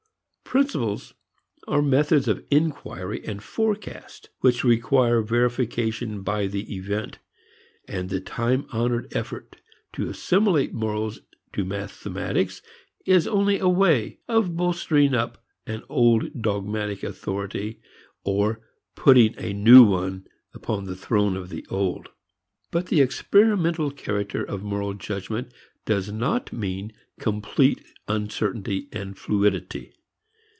Principles are methods of inquiry and forecast which require verification by the event; and the time honored effort to assimilate morals to mathematics is only a way of bolstering up an old dogmatic authority, or putting a new one upon the throne of the old. But the experimental character of moral judgments does not mean complete uncertainty and fluidity.